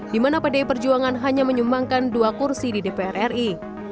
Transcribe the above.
di mana pdi perjuangan hanya menyumbangkan dua kursi di dpr ri